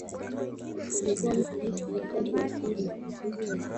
Alikuwa mtumishi katika serikali ya mapinduzi ya Zanzibar